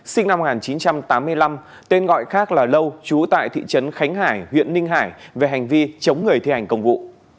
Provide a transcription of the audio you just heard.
sinh năm một nghìn chín trăm tám mươi năm tên gọi khác là lâu trú tại thị trấn khánh hải huyện ninh hải về hành vi chống người thi hành công vụ